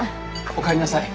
お帰りなさい。